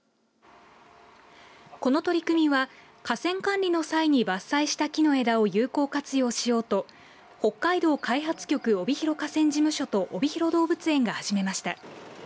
この取り組みは河川管理の際に伐採した木の枝を有効活用しようと北海道開発局帯広河川事務所とおびひろ動物園が始めました。